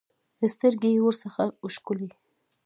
سترګې يې ورڅخه وشکولې.